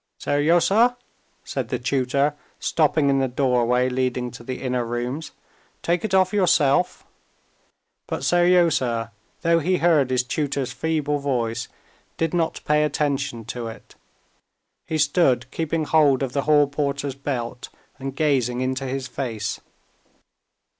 "Seryozha!" said the tutor, stopping in the doorway leading to the inner rooms. "Take it off yourself." But Seryozha, though he heard his tutor's feeble voice, did not pay attention to it. He stood keeping hold of the hall porter's belt, and gazing into his face.